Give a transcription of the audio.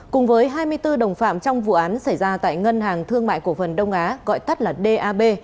cùng với hai mươi bốn đồng phạm trong vụ án xảy ra tại ngân hàng thương mại cổ phần đông á gọi tắt là dab